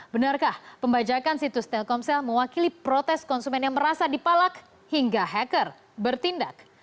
benarkah pembajakan situs telkomsel mewakili protes konsumen yang merasa dipalak hingga hacker bertindak